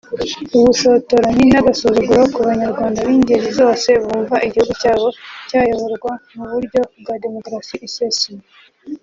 ubushotoranyi n’agasuzuguro ku banyarwanda b’ingeri zose bumva igihugu cyabo cyayoborwa mu buryo bwa Demokarasi isesuye